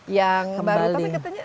yang baru tapi katanya